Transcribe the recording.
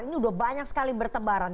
ini udah banyak sekali bertebaran